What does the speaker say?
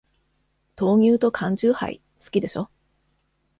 豆乳と缶チューハイ、好きでしょ。